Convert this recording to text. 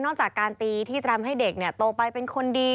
จากการตีที่จะทำให้เด็กโตไปเป็นคนดี